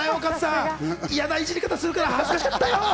嫌ないじり方するから、恥ずかしかったよ。